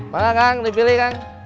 makasih kang dipilih kang